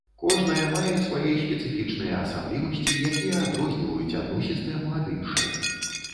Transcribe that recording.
Кожнае мае свае спецыфічныя асаблівасці, якія адрозніваюць адну сістэму ад іншай.